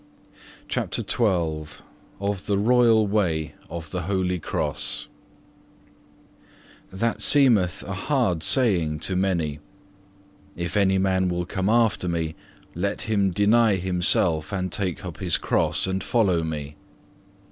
(1) Luke xvii. 10. (2) Psalm xxv. 16. CHAPTER XII Of the royal way of the Holy Cross That seemeth a hard saying to many, If any man will come after Me, let him deny himself and take up his Cross and follow Me.